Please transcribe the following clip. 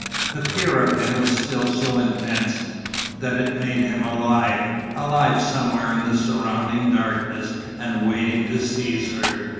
The fear of him was still so intense, that it made him alive, alive somewhere in the surrounding darkness, and waiting to seize her.